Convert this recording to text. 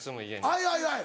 はいはいはい。